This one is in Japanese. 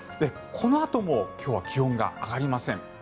このあとも今日は気温が上がりません。